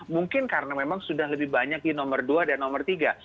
mungkin karena memang sudah lebih banyak di nomor dua dan nomor tiga